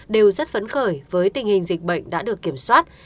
đều rất phấn khởi với tình hình dịch bệnh đã được kiểm soát